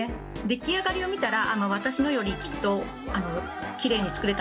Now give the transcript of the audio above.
出来上がりを見たら私のよりきっときれいに作れたのかなと思って。